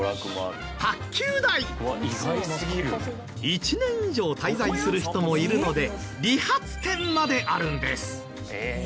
１年以上滞在する人もいるので理髪店まであるんです。